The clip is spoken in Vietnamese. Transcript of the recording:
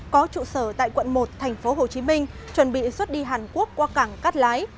có trụ sở tại quận một tp hcm chuẩn bị xuất đi hàn quốc qua cảng cát lái